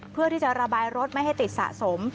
เพื่อที่จะระบายรถไม่ให้ติดสะสม